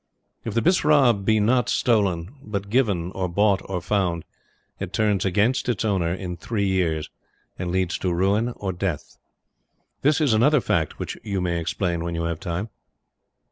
If the Bisara be not stolen, but given or bought or found, it turns against its owner in three years, and leads to ruin or death. This is another fact which you may explain when you have time.